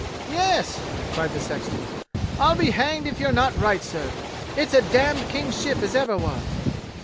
'^" "Yes! "cried the sexton; "I'll be hanged if you're not right, sir; it's a damned King's ship as ever was."